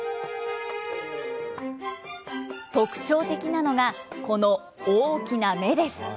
特徴的なのが、この大きな目です。